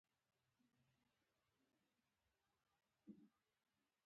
تر صبر، غوره ملګری نشته.